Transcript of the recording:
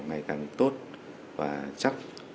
ngày càng tốt và chắc